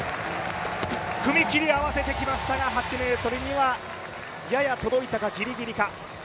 踏み切り合わせてきましたが、８ｍにはやや届いたか、ギリギリか？